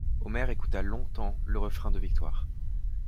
Omer écouta longtemps le refrain de victoire.